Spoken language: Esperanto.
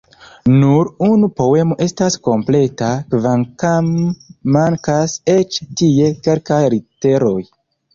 Nur unu poemo estas kompleta, kvankam mankas eĉ tie kelkaj literoj.